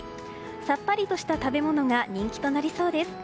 さっぱりとした食べ物が人気となりそうです。